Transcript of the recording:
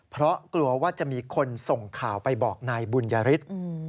เพราะกลัวว่าจะมีคนส่งข่าวไปบอกนายบุญยฤทธิ์